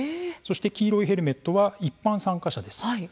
黄色いヘルメットは一般参加者です。